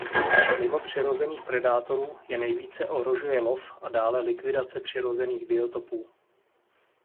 Mimo přirozených predátorů je nejvíce ohrožuje lov a dále likvidace přirozených biotopů.